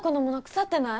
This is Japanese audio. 腐ってない？